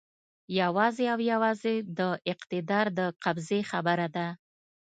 یوازې او یوازې د اقتدار د قبضې خبره ده.